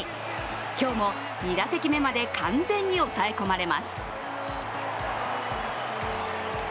今日も２打席目まで完全に抑え込まれます。